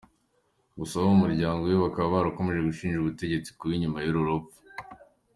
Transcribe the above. Gusa abo mu muryango we bakaba barakomeje gushinja ubutegetsi kuba inyuma y'uru rupfu.